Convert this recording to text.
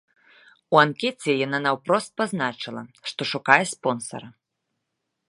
У анкеце яна наўпрост пазначыла, што шукае спонсара.